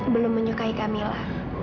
belum menyukai kak mila